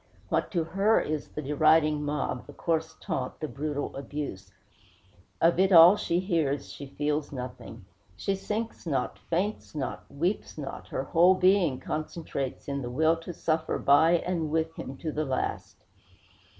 What to her is the deriding mob, the coarse taunt, the brutal abuse? Of it all she hears, she feels nothing. She sinks not, faints not, weeps not; her whole being concentrates in the will to suffer by and with him to the last.